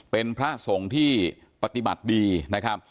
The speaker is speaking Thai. เป็นพระสงฆ์ที่ปฏิบัติดีนะครับ